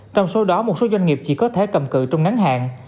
trong số đó một số doanh nghiệp chỉ có thể cầm cự trong ngắn hạn